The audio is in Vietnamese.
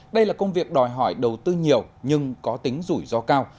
đây là công việc đòi hỏi đầu tư nhiều nhưng có tính rủi ro cao